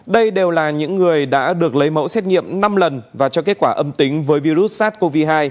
đây đều là những người đã được lấy mẫu xét nghiệm năm lần và cho kết quả âm tính với virus sars cov hai